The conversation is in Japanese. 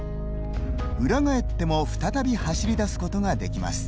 裏返っても再び走りだすことができます。